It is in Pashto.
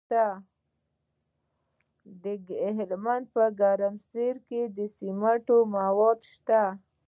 د هلمند په ګرمسیر کې د سمنټو مواد شته.